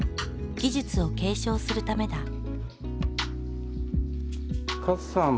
技術を継承するためだ。